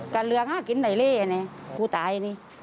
กันเรืองห้ากินใดนี่ครูตายนี่